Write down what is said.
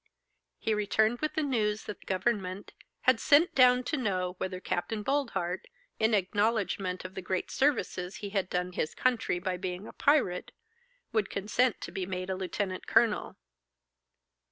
He returned with the news that government had sent down to know whether Capt. Boldheart, in acknowledgment of the great services he had done his country by being a pirate, would consent to be made a lieutenant colonel.